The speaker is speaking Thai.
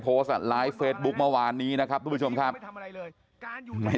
โพสต์อ่ะไลฟ์เฟสบุ๊คเมื่อวานนี้นะครับทุกผู้ชมครับไม่